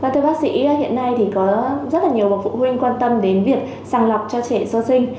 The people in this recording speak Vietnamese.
thưa bác sĩ hiện nay có rất nhiều phụ huynh quan tâm đến việc sàng lọc cho trẻ sơ sinh